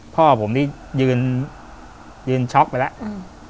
พ่อผมนี่ยืนช็อกไปแล้ว